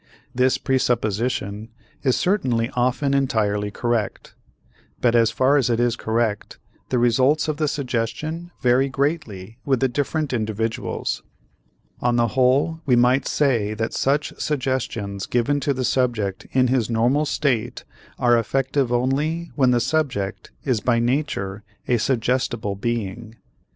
This presupposition is certainly often entirely correct, but as far as it is correct, the results of the suggestion vary greatly with the different individuals. On the whole, we might say that such suggestions given to the subject in his normal state are effective only when the subject is by nature a suggestible being.